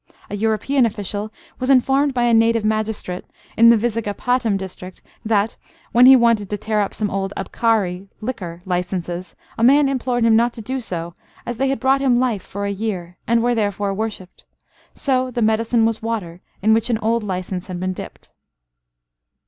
A European official was informed by a Native magistrate in the Vizagapatam district that, when he wanted to tear up some old abkari (liquor) licenses, a man implored him not to do so, as they had brought him life for a year, and were therefore worshipped. So the medicine was water, in which an old license had been dipped.